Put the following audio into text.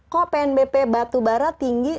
kok pnbp batubara tinggi